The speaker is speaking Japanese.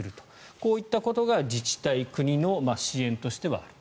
こういったことが自治体、国の支援としてはある。